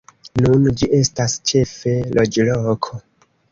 Nun ĝi estas ĉefe loĝloko.